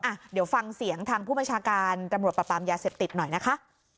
อ่ะเดี๋ยวฟังเสียงทางผู้บัญชาการตำรวจประปามยาเสพติดหน่อยนะคะ